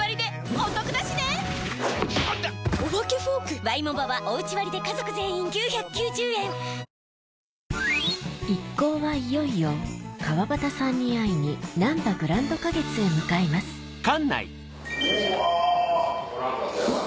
お化けフォーク⁉一行はいよいよ川畑さんに会いになんばグランド花月へ向かいますうわ